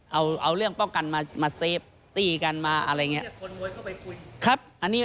เอาเอาเรื่องป้องกันมามาเซฟตี้กันมาอะไรอย่างนี้